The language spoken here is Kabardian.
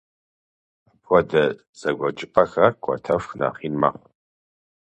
Апхуэдэ зэгуэкӏыпӏэхэр кӏуэтэху нэхъ ин мэхъу.